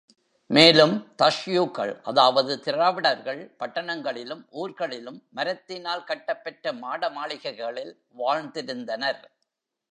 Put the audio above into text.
மேலும் தஸ்யூக்கள் அதாவது திராவிடர்கள் பட்டணங்களிலும் ஊர்களிலும் மரத்தினால் கட்டப்பெற்ற மாடமாளிகைகளில் வாழ்ந்திருந்தனர்.